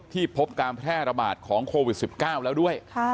พบการแพร่ระบาดของโควิด๑๙แล้วด้วย